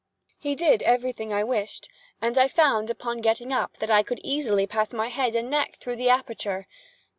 He did every thing I wished, and I found, upon getting up, that I could easily pass my head and neck through the aperture.